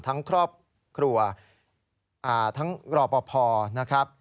ทั้งครอบครัวทั้งรอบอพอ